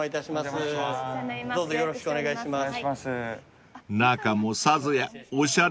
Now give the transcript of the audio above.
よろしくお願いします。